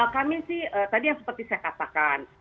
kami sih tadi yang seperti saya katakan